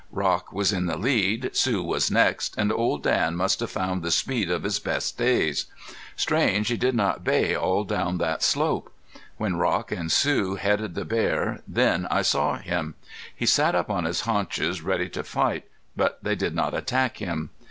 Rock was in the lead. Sue was next. And Old Dan must have found the speed of his best days. Strange he did not bay all down that slope! When Rock and Sue headed the bear then I saw him. He sat up on his haunches ready to fight, but they did not attack him.